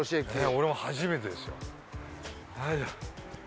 俺も初めてですよ。